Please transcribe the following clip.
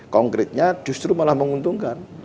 konkretnya justru malah menguntungkan